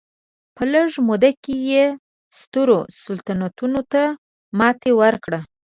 په لږه موده کې یې سترو سلطنتونو ته ماتې ورکړه.